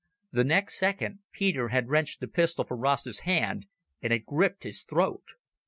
The next second Peter had wrenched the pistol from Rasta's hand and had gripped his throat.